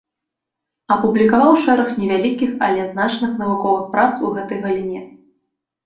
Апублікаваў шэраг невялікіх, але значных навуковых прац у гэтай галіне.